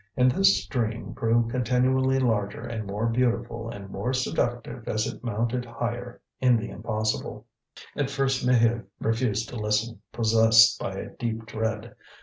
And this dream grew continually larger and more beautiful and more seductive as it mounted higher in the impossible. At first Maheude refused to listen, possessed by a deep dread.